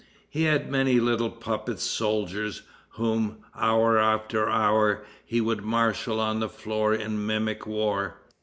He had many little puppet soldiers, whom, hour after hour, he would marshal on the floor in mimic war.